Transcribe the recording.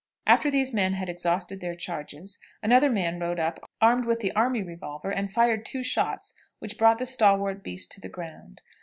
After these men had exhausted their charges, another man rode up armed with the army revolver, and fired two shots, which brought the stalwart beast to the ground.